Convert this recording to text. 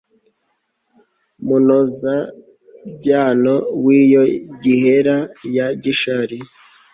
munozabyano w'iyo gihera ya gishari